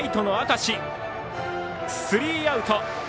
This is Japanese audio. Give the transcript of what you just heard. スリーアウト。